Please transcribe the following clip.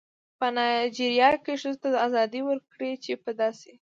په نایجیریا کې ښځو ته دا ازادي ورکړې چې په داسې